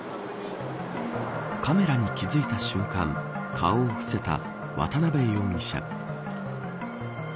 カメラに気付いた瞬間顔を伏せた渡辺容疑者。